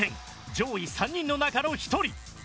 上位３人の中の１人。